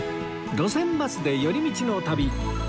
『路線バスで寄り道の旅』